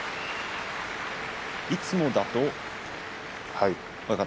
いつもだと親方。